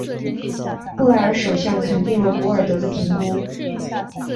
布莱尔首相肯定了古尔德的评估。